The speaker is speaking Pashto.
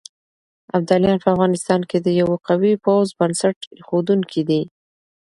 ابداليان په افغانستان کې د يوه قوي پوځ بنسټ اېښودونکي دي.